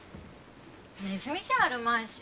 ネズミじゃあるまいし。